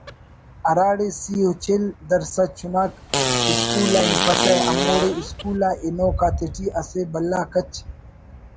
ہراڑے سِی و چل درسَد چناک اسکول آ ہنپسہ ہموڑے اسکول آ ہنوک آتیٹی اسہ بھلا کچ